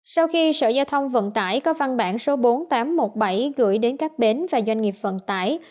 sau khi sở giao thông vận tải có văn bản số bốn nghìn tám trăm một mươi bảy gửi đến các bến và doanh nghiệp vận tải